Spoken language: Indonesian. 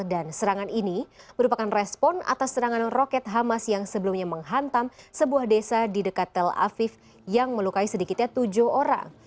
dan serangan ini merupakan respon atas serangan roket hamas yang sebelumnya menghantam sebuah desa di dekat tel aviv yang melukai sedikitnya tujuh orang